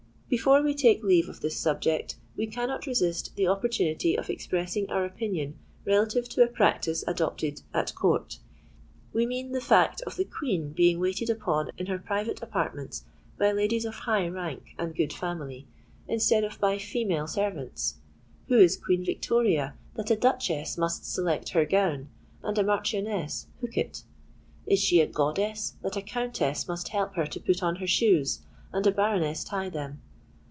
Before we take leave of this subject, we cannot resist the opportunity of expressing our opinion relative to a practice adopted at Court: we mean the fact of the Queen being waited upon in her private apartments by ladies of high rank and good family, instead of by female servants. Who is Queen Victoria, that a Duchess must select her gown, and a Marchioness hook it? Is she a goddess that a Countess must help her to put on her shoes, and a Baroness tie them?